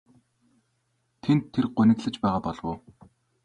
Тэнд тэр гуниглаж байгаа болов уу?